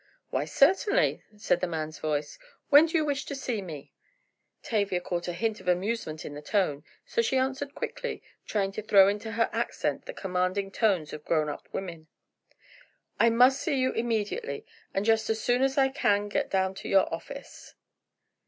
"Why certainly," said the man's voice. "When do you wish to see me?" Tavia caught a hint of amusement in the tone, so she answered quickly, trying to throw into her accent the commanding tones of grown up women: "I must see you immediately, and just as soon as I can get down to your office."